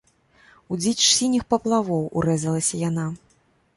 У дзіч сініх паплавоў урэзалася яна.